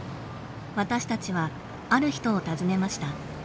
私たちはある人を訪ねました。